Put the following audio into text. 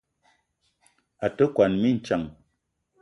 A te kwuan mintsang.